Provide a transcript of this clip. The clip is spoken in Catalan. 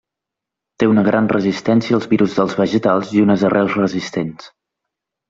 Té una gran resistència als virus dels vegetals i unes arrels resistents.